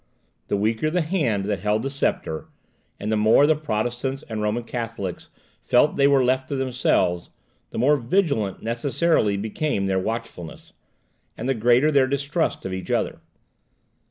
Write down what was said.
The weaker the hand that held the sceptre, and the more the Protestants and Roman Catholics felt they were left to themselves, the more vigilant necessarily became their watchfulness, and the greater their distrust of each other.